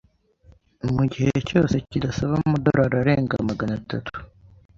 mugihe cyose kidasaba amadorari arenga magana atatu.